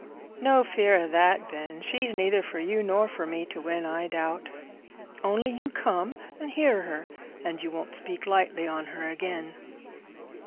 "No fear o' that, Ben; she's neither for you nor for me to win, I doubt. Only you come and hear her, and you won't speak lightly on her again."